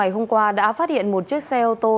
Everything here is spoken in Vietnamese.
hôm qua đã phát hiện một chiếc xe ô tô